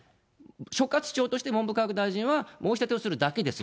所轄庁として文部科学大臣は申し立てをするだけです。